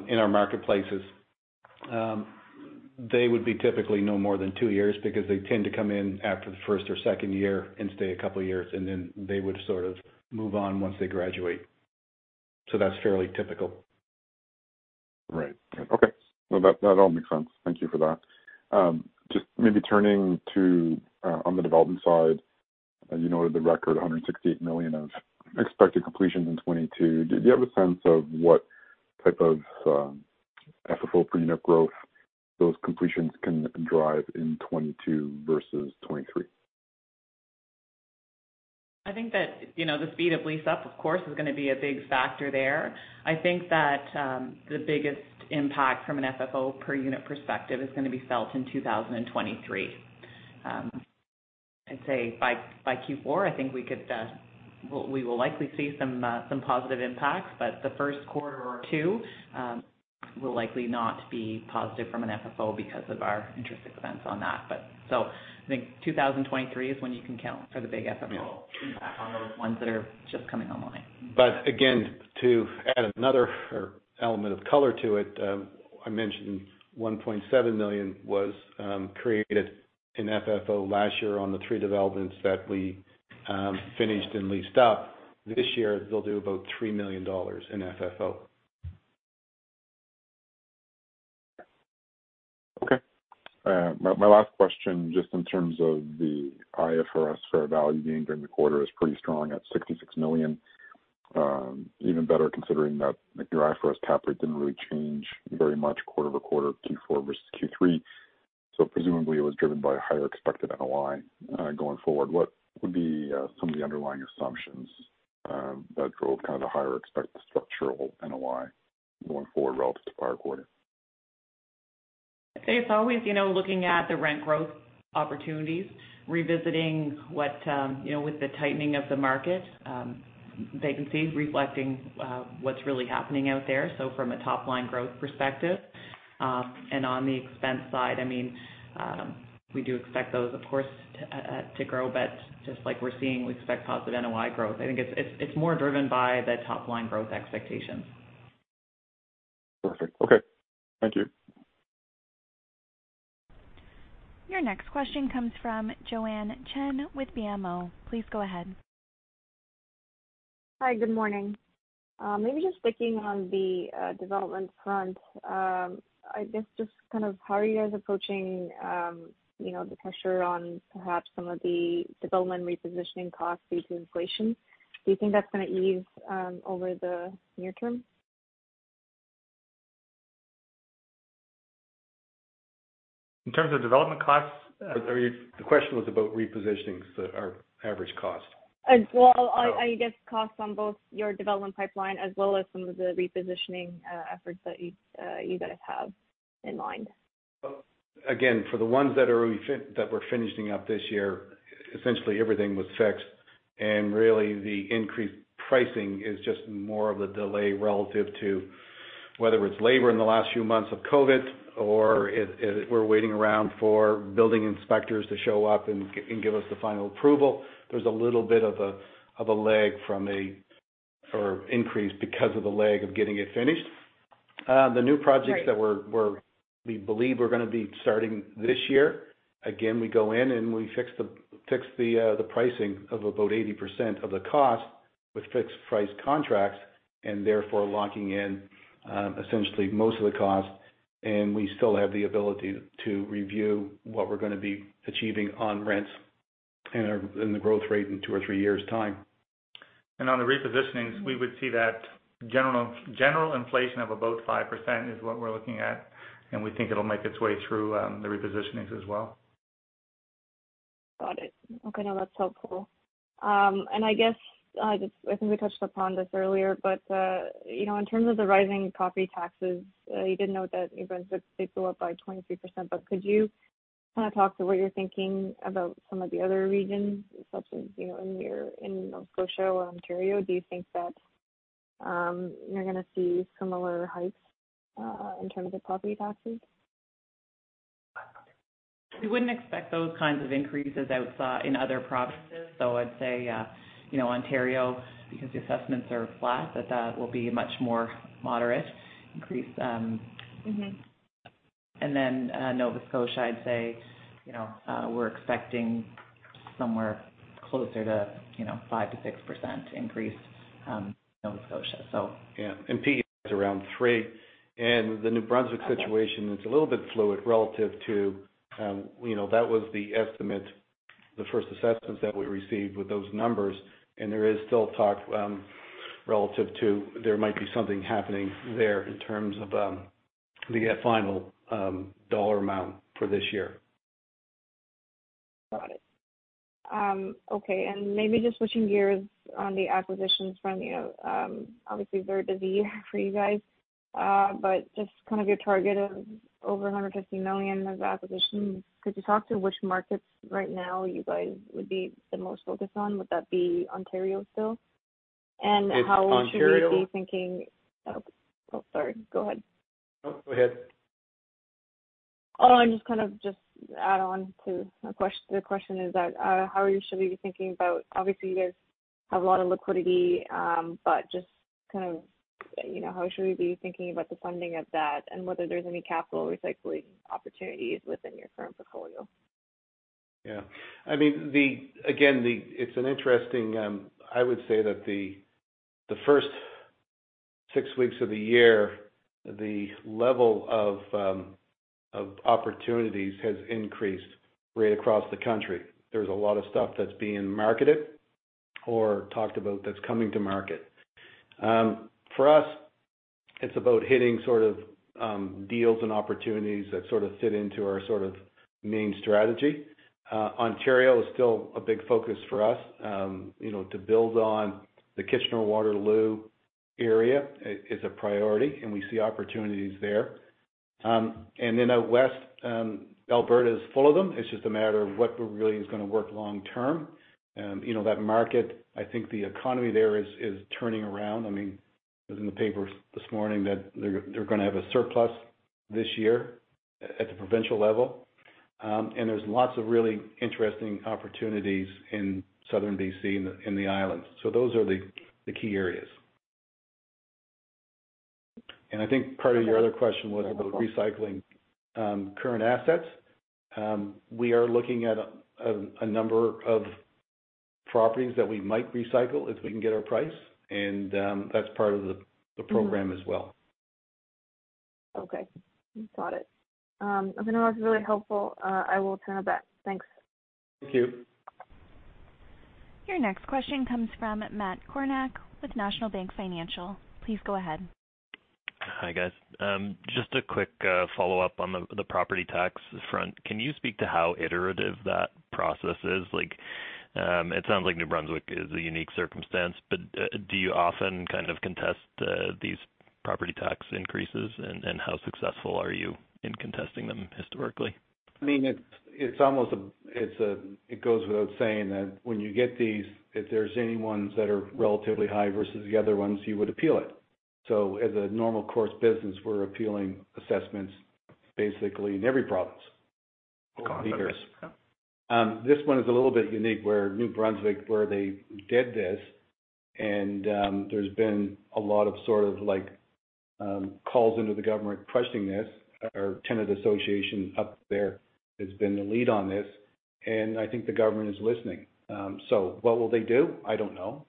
in our marketplaces, they would be typically no more than two years because they tend to come in after the first or second year and stay a couple of years, and then they would sort of move on once they graduate. That's fairly typical. Right. Okay. Well, that all makes sense. Thank you for that. Just maybe turning to on the development side, you noted the record 168 million of expected completions in 2022. Do you have a sense of what type of FFO per unit growth those completions can drive in 2022 versus 2023? I think that, you know, the speed of lease-up, of course, is gonna be a big factor there. I think that the biggest impact from an FFO per unit perspective is gonna be felt in 2023. I'd say by Q4, I think we could, we will likely see some some positive impacts. The first quarter or two. Will likely not be positive from an FFO because of our interest expense on that. I think 2023 is when you can count for the big FFO impact on the ones that are just coming online. Again, to add another element of color to it, I mentioned 1.7 million was created in FFO last year on the three developments that we finished and leased up. This year, they'll do about 3 million dollars in FFO. Okay. My last question, just in terms of the IFRS fair value gain during the quarter is pretty strong at 66 million. Even better, considering that like your IFRS cap rate didn't really change very much quarter-over-quarter Q4 versus Q3. Presumably it was driven by higher expected NOI. Going forward, what would be some of the underlying assumptions that drove kind of the higher expected structural NOI going forward relative to prior quarter? I'd say it's always, you know, looking at the rent growth opportunities, revisiting what, you know, with the tightening of the market, vacancy reflecting what's really happening out there. From a top line growth perspective, and on the expense side, I mean, we do expect those of course to grow. Just like we're seeing, we expect positive NOI growth. I think it's more driven by the top line growth expectations. Perfect. Okay. Thank you. Your next question comes from Joanne Chen with BMO. Please go ahead. Hi, good morning. Maybe just sticking on the development front. I guess just kind of how are you guys approaching, you know, the pressure on perhaps some of the development repositioning costs due to inflation? Do you think that's gonna ease over the near term? In terms of development costs? The question was about repositioning, so our average cost. Well, I guess costs on both your development pipeline as well as some of the repositioning efforts that you guys have in mind. Again, for the ones that we're finishing up this year, essentially everything was fixed, and really the increased pricing is just more of a delay relative to whether it's labor in the last few months of COVID, or we're waiting around for building inspectors to show up and give us the final approval. There's a little bit of a lag or increase because of the lag of getting it finished. The new projects Right. We believe we're gonna be starting this year. Again, we go in and we fix the pricing of about 80% of the cost with fixed price contracts, and therefore locking in essentially most of the cost. We still have the ability to review what we're gonna be achieving on rents and in the growth rate in two or three years' time. On the repositionings, we would see that general inflation of about 5% is what we're looking at, and we think it'll make its way through the repositionings as well. Got it. Okay, no, that's helpful. I guess just I think we touched upon this earlier, but you know, in terms of the rising property taxes, you did note that in New Brunswick they go up by 23%, but could you kinda talk to what you're thinking about some of the other regions such as, you know, in Nova Scotia or Ontario? Do you think that you're gonna see similar hikes in terms of property taxes? We wouldn't expect those kinds of increases outside, in other provinces. I'd say, you know, Ontario, because the assessments are flat, that will be much more moderate increase. Mm-hmm. Nova Scotia, I'd say, you know, we're expecting somewhere closer to, you know, 5%-6% increase, Nova Scotia. Yeah. PEI is around three. The New Brunswick situation- Okay. It's a little bit fluid relative to, you know, that was the estimate, the first assessments that we received with those numbers. There is still talk relative to there might be something happening there in terms of the final dollar amount for this year. Got it. Okay. Maybe just switching gears on the acquisitions front, obviously very busy year for you guys. Just kind of your target of over 150 million of acquisitions, could you talk to which markets right now you guys would be the most focused on? Would that be Ontario still? How should we be thinking- It's Ontario. Oh, sorry. Go ahead. No, go ahead. Just kind of add on to the question is that, how you should be thinking about, obviously you guys have a lot of liquidity. Just kind of, you know, how should we be thinking about the funding of that, and whether there's any capital recycling opportunities within your current portfolio? Yeah. I mean, it's an interesting, I would say that the first six weeks of the year, the level of opportunities has increased right across the country. There's a lot of stuff that's being marketed or talked about that's coming to market. For us, it's about hitting sort of deals and opportunities that sort of fit into our sort of main strategy. Ontario is still a big focus for us, you know, to build on the Kitchener-Waterloo area is a priority, and we see opportunities there. Out west, Alberta is full of them. It's just a matter of what really is gonna work long term. You know, that market, I think the economy there is turning around. I mean, it was in the paper this morning that they're gonna have a surplus this year at the provincial level. There's lots of really interesting opportunities in southern B.C. in the islands. Those are the key areas. I think part of your other question was about recycling current assets. We are looking at a number of properties that we might recycle if we can get our price, and that's part of the program as well. Okay. Got it. No, that was really helpful. I will turn it back. Thanks. Thank you. Your next question comes from Matt Kornack with National Bank Financial. Please go ahead. Hi, guys. Just a quick follow-up on the property tax front. Can you speak to how iterative that process is? Like, it sounds like New Brunswick is a unique circumstance, but do you often kind of contest these property tax increases? How successful are you in contesting them historically? I mean, it goes without saying that when you get these, if there's any ones that are relatively high versus the other ones, you would appeal it. As a normal course of business, we're appealing assessments basically in every province we're in. This one is a little bit unique where New Brunswick, where they did this, and there's been a lot of sort of like calls into the government questioning this. Our tenant association up there has been the lead on this, and I think the government is listening. What will they do? I don't know.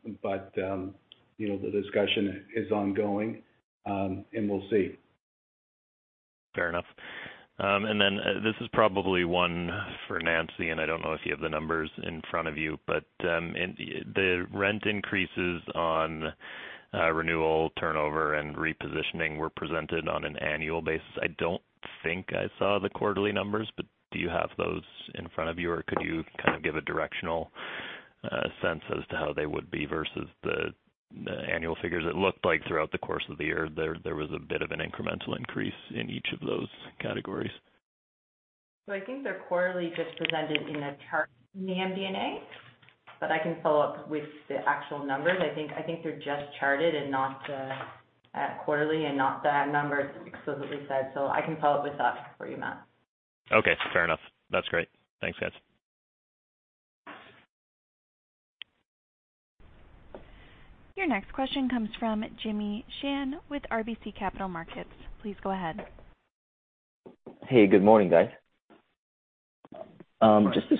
You know, the discussion is ongoing, and we'll see. Fair enough. This is probably one for Nancy, and I don't know if you have the numbers in front of you, but in the rent increases on renewal, turnover and repositioning were presented on an annual basis. I don't think I saw the quarterly numbers, but do you have those in front of you, or could you kind of give a directional sense as to how they would be versus the annual figures? It looked like throughout the course of the year there was a bit of an incremental increase in each of those categories. I think they're quarterly just presented in a chart in the MD&A, but I can follow up with the actual numbers. I think they're just charted and not quarterly and not the numbers explicitly said. I can follow up with that for you, Matt. Okay, fair enough. That's great. Thanks, guys. Your next question comes from Jimmy Shan with RBC Capital Markets. Please go ahead. Hey, good morning, guys. Good morning. Just to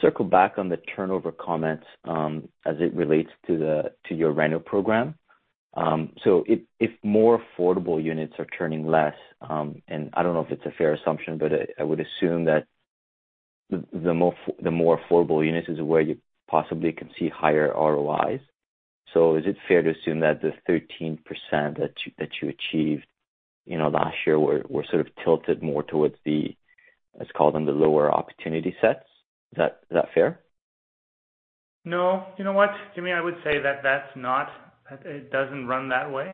circle back on the turnover comments, as it relates to your reno program. So if more affordable units are turning less, and I don't know if it's a fair assumption, but I would assume that the more affordable units is where you possibly can see higher ROIs. So is it fair to assume that the 13% that you achieved, you know, last year were sort of tilted more towards the, let's call them the lower opportunity sets? Is that fair? No. You know what, Jimmy, I would say that that's not. It doesn't run that way.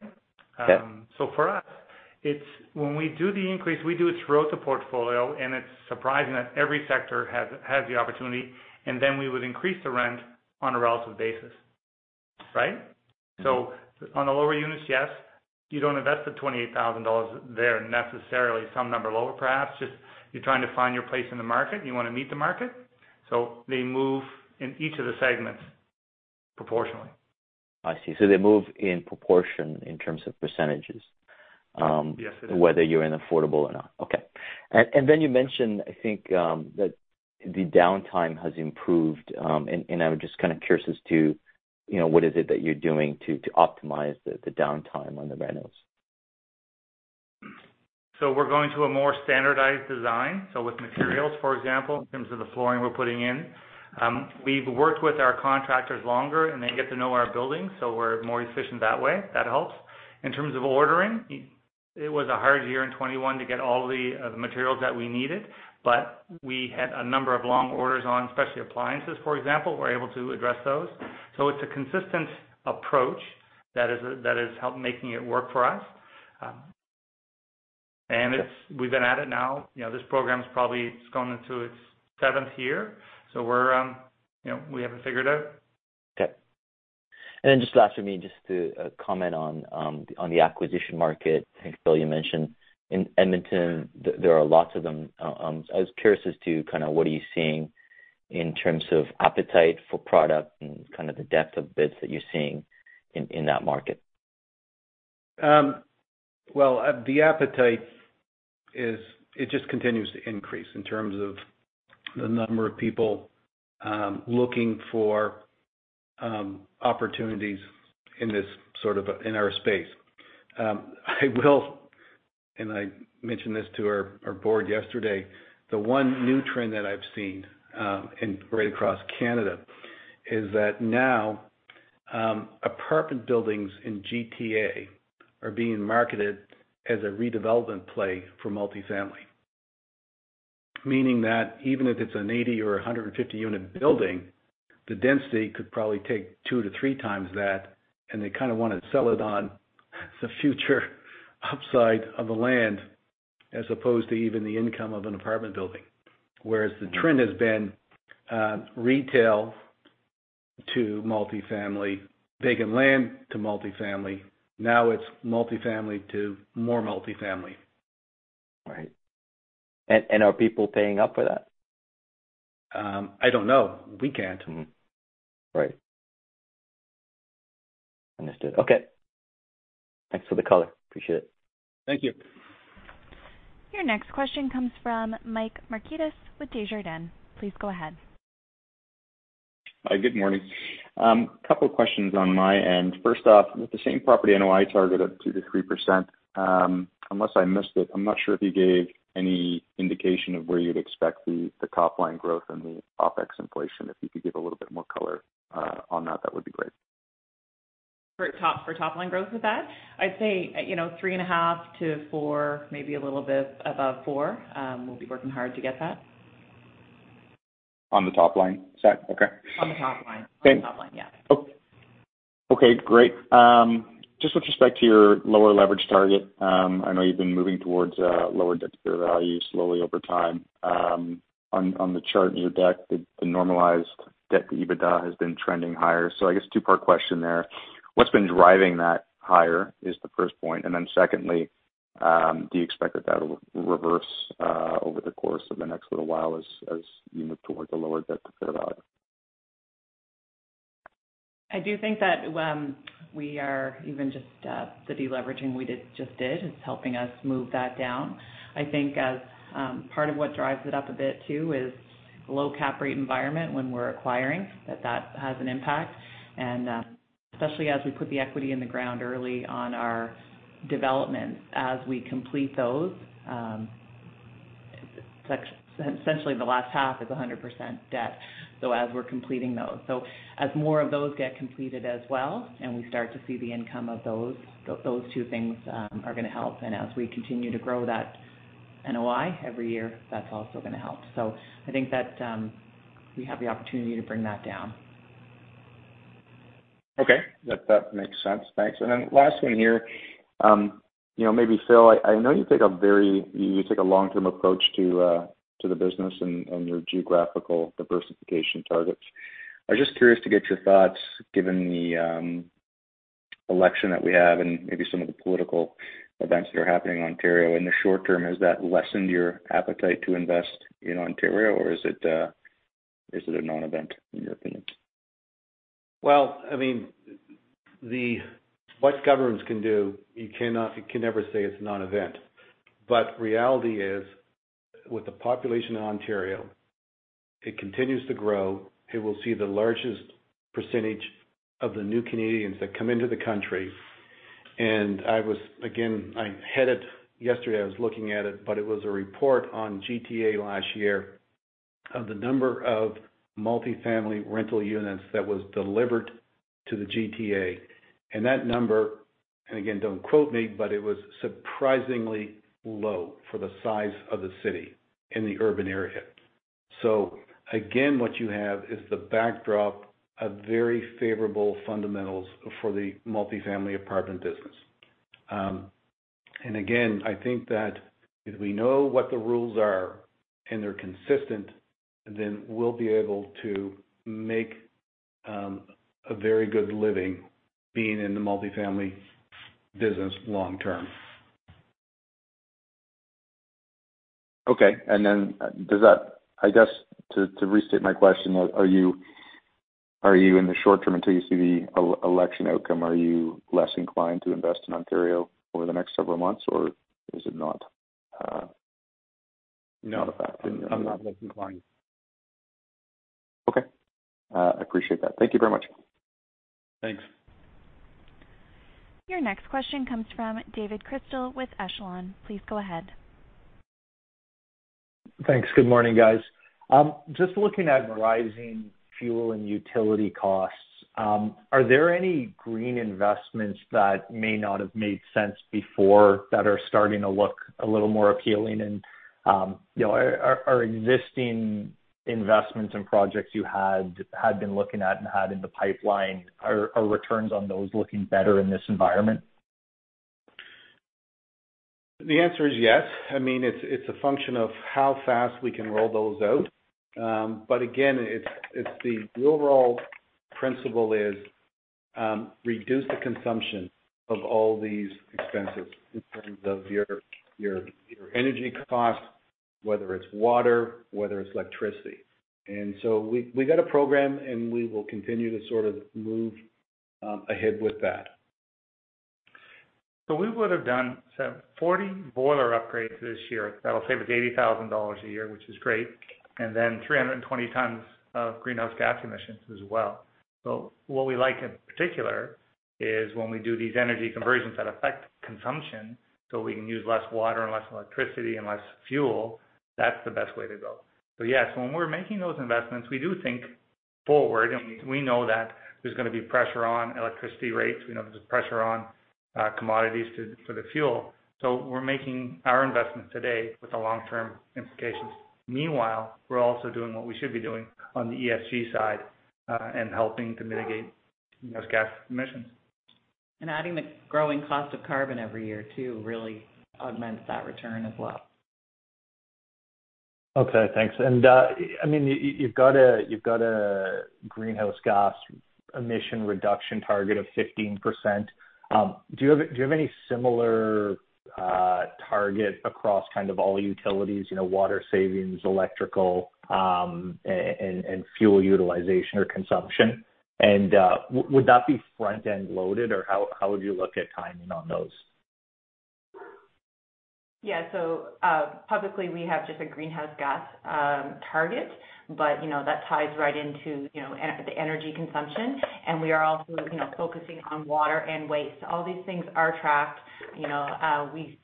Okay. For us, it's when we do the increase, we do it throughout the portfolio, and it's surprising that every sector has the opportunity, and then we would increase the rent on a relative basis, right? Mm-hmm. On the lower units, yes, you don't invest the 28,000 dollars there necessarily. Some number lower, perhaps. Just you're trying to find your place in the market. You wanna meet the market. They move in each of the segments proportionally. I see. They move in proportion in terms of percentages. Yes, they do. whether you're in affordable or not. Okay. Then you mentioned, I think, that the downtime has improved. I'm just kind of curious as to, you know, what is it that you're doing to optimize the downtime on the renos. We're going to a more standardized design. With materials, for example, in terms of the flooring we're putting in. We've worked with our contractors longer, and they get to know our building, so we're more efficient that way. That helps. In terms of ordering, it was a hard year in 2021 to get all the materials that we needed, but we had a number of long orders on, especially appliances, for example. We're able to address those. It's a consistent approach that helps making it work for us. And it's we've been at it now. You know, this program is probably going into its seventh year. We're, you know, we have it figured out. Okay. Just last for me, just to comment on the acquisition market. I think, Bill, you mentioned in Edmonton there are lots of them. I was curious as to kind of what are you seeing in terms of appetite for product and kind of the depth of bids that you're seeing in that market? Well, it just continues to increase in terms of the number of people looking for opportunities in this sort of in our space. I mentioned this to our board yesterday, the one new trend that I've seen right across Canada is that now apartment buildings in GTA are being marketed as a redevelopment play for multifamily. Meaning that even if it's an 80- or 150-unit building, the density could probably take 2x-3x that, and they kinda wanna sell it on the future upside of the land as opposed to even the income of an apartment building. Whereas the trend has been retail to multifamily, vacant land to multifamily. Now it's multifamily to more multifamily. Right. Are people paying up for that? I don't know. We can't. Mm-hmm. Right. Understood. Okay. Thanks for the color. Appreciate it. Thank you. Your next question comes from Mike Markidis with Desjardins. Please go ahead. Hi, good morning. Couple of questions on my end. First off, with the same property NOI target of 2%-3%, unless I missed it, I'm not sure if you gave any indication of where you'd expect the top line growth and the OpEx inflation. If you could give a little bit more color on that would be great. For top line growth with that? I'd say, you know, 3.5%-4%, maybe a little bit above 4%. We'll be working hard to get that. On the top line, is that okay? On the top line. Okay. On the top line, yeah. Just with respect to your lower leverage target, I know you've been moving towards lower debt to fair value slowly over time. On the chart in your deck, the normalized debt to EBITDA has been trending higher. I guess two-part question there. What's been driving that higher, is the first point. Secondly, do you expect that that'll reverse over the course of the next little while as you move toward the lower debt to fair value? I do think that we are even just the deleveraging we just did is helping us move that down. I think as part of what drives it up a bit too is low cap rate environment when we're acquiring that has an impact. Especially as we put the equity in the ground early on our development, as we complete those, essentially the last half is 100% debt, so as we're completing those. As more of those get completed as well, and we start to see the income of those two things are gonna help. As we continue to grow that NOI every year, that's also gonna help. I think that we have the opportunity to bring that down. Okay. That makes sense. Thanks. Last one here. You know, maybe, Phil, I know you take a very long-term approach to the business and your geographical diversification targets. I'm just curious to get your thoughts, given the election that we have and maybe some of the political events that are happening in Ontario. In the short term, has that lessened your appetite to invest in Ontario, or is it a non-event in your opinion? Well, I mean, what governments can do, you can never say it's a non-event. Reality is, with the population in Ontario, it continues to grow. It will see the largest percentage of the new Canadians that come into the country. I was, again, I had it yesterday, I was looking at it, but it was a report on GTA last year of the number of multifamily rental units that was delivered to the GTA. That number, and again, don't quote me, but it was surprisingly low for the size of the city in the urban area. Again, what you have is the backdrop of very favorable fundamentals for the multifamily apartment business. I think that if we know what the rules are and they're consistent, then we'll be able to make a very good living being in the multifamily business long term. Okay. I guess to restate my question, are you in the short term until you see the election outcome, are you less inclined to invest in Ontario over the next several months, or is it not a factor? No, I'm not less inclined. Okay. Appreciate that. Thank you very much. Thanks. Your next question comes from David Chrystal with Echelon. Please go ahead. Thanks. Good morning, guys. Just looking at rising fuel and utility costs, are there any green investments that may not have made sense before that are starting to look a little more appealing and, you know, are existing investments and projects you had been looking at and had in the pipeline, are returns on those looking better in this environment? The answer is yes. I mean, it's a function of how fast we can roll those out. Again, it's the overall principle is reduce the consumption of all these expenses in terms of your energy costs, whether it's water, whether it's electricity. We've got a program, and we will continue to sort of move ahead with that. We would have done some 40 boiler upgrades this year that'll save us 80,000 dollars a year, which is great, and then 320 tons of greenhouse gas emissions as well. What we like in particular is when we do these energy conversions that affect consumption, so we can use less water and less electricity and less fuel, that's the best way to go. Yes, when we're making those investments, we do think forward, and we know that there's gonna be pressure on electricity rates. We know there's pressure on commodities for the fuel. We're making our investments today with the long-term implications. Meanwhile, we're also doing what we should be doing on the ESG side, and helping to mitigate those gas emissions. Adding the growing cost of carbon every year too really augments that return as well. Okay, thanks. I mean, you've got a greenhouse gas emission reduction target of 15%. Do you have any similar target across kind of all utilities, you know, water savings, electrical, and fuel utilization or consumption? Would that be front-end loaded, or how would you look at timing on those? Yeah. Publicly, we have just a greenhouse gas target, but you know, that ties right into you know, the energy consumption. We are also you know, focusing on water and waste. All these things are tracked. You know, we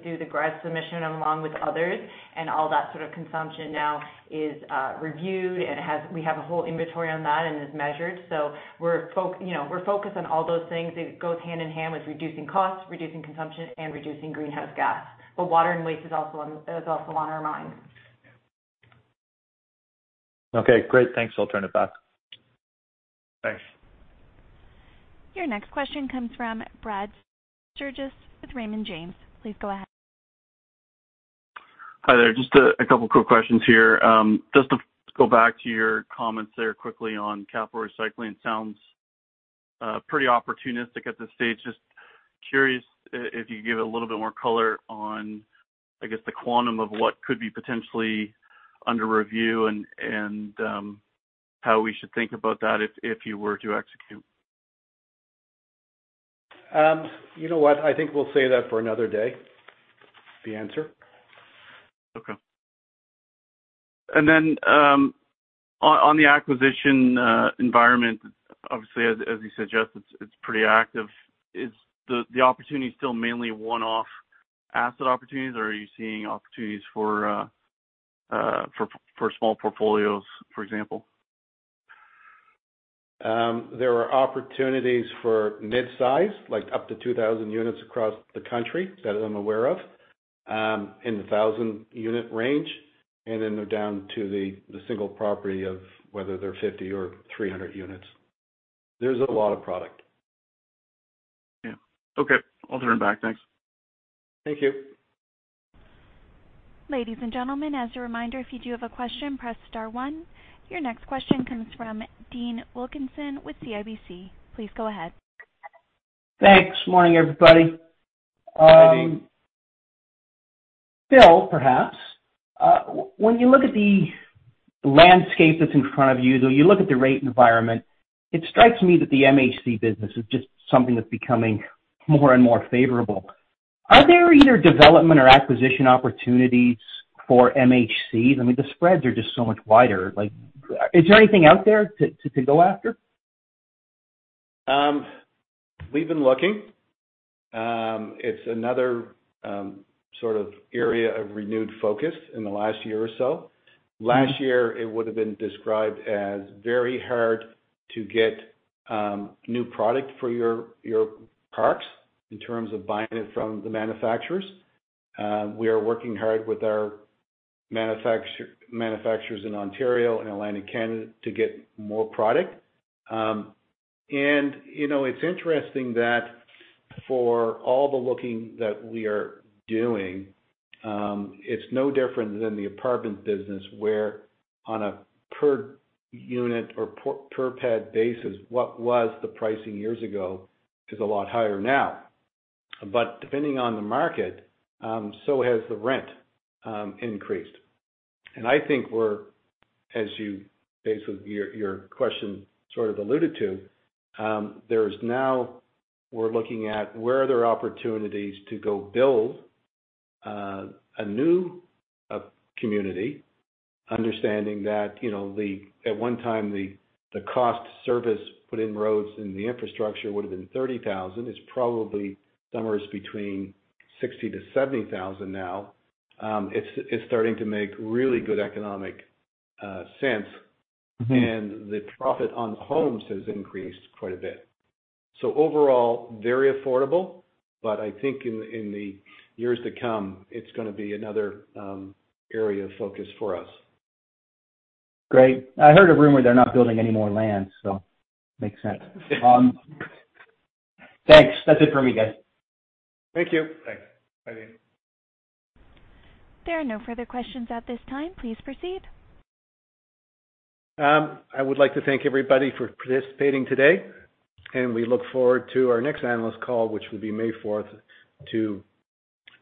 do the GRESB submission along with others, and all that sort of consumption now is reviewed, and we have a whole inventory on that and is measured. You know, we're focused on all those things. It goes hand-in-hand with reducing costs, reducing consumption, and reducing greenhouse gas. Water and waste is also on our minds. Okay, great. Thanks. I'll turn it back. Thanks. Your next question comes from Brad Sturges with Raymond James. Please go ahead. Hi there. Just a couple quick questions here. Just to go back to your comments there quickly on capital recycling, it sounds pretty opportunistic at this stage. Just curious if you could give a little bit more color on, I guess, the quantum of what could be potentially under review and how we should think about that if you were to execute? You know what? I think we'll save that for another day, the answer. Okay. On the acquisition environment, obviously, as you suggest, it's pretty active. Is the opportunity still mainly one-off asset opportunities, or are you seeing opportunities for small portfolios, for example? There are opportunities for midsize, like up to 2000 units across the country that I'm aware of, in the thousand unit range, and then they're down to the single property of whether they're 50 or 300 units. There's a lot of product. Yeah. Okay. I'll turn it back. Thanks. Thank you. Ladies and gentlemen, as a reminder, if you do have a question, press star one. Your next question comes from Dean Wilkinson with CIBC. Please go ahead. Thanks. Morning, everybody. Hi, Dean. Phil, perhaps when you look at the landscape that's in front of you, though, you look at the rate environment, it strikes me that the MHC business is just something that's becoming more and more favorable. Are there either development or acquisition opportunities for MHC? I mean, the spreads are just so much wider. Like, is there anything out there to go after? We've been looking. It's another sort of area of renewed focus in the last year or so. Last year, it would have been described as very hard to get new product for your parks in terms of buying it from the manufacturers. We are working hard with our manufacturers in Ontario and Atlantic Canada to get more product. You know, it's interesting that for all the looking that we are doing, it's no different than the apartment business where on a per unit or per pad basis, what was the pricing years ago is a lot higher now. Depending on the market, so has the rent increased. I think we're basically your question sort of alluded to there is now we're looking at where are there opportunities to go build a new community understanding that you know at one time the cost to service put in roads and the infrastructure would have been 30,000. It's probably somewhere between 60,000-70,000 now. It's starting to make really good economic sense. Mm-hmm. The profit on homes has increased quite a bit. Overall, very affordable, but I think in the years to come, it's gonna be another area of focus for us. Great. I heard a rumor they're not building any more land, makes sense. Thanks. That's it for me, guys. Thank you. Thanks. Bye, Dean. There are no further questions at this time. Please proceed. I would like to thank everybody for participating today, and we look forward to our next analyst call, which will be May fourth, to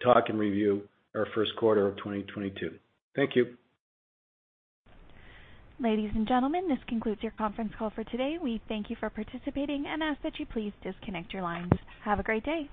talk and review our first quarter of 2022. Thank you. Ladies and gentlemen, this concludes your conference call for today. We thank you for participating and ask that you please disconnect your lines. Have a great day.